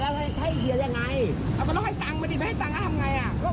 อาจารย์คิดได้ยังไงเอาแล้วจะทำยังไง